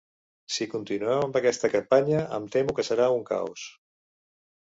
Si continuem amb aquesta campanya, em temo que serà un caos.